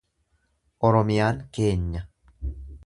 oromiyaan keenya.